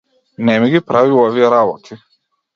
Не ми ги прави овие работи.